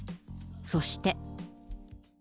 そして。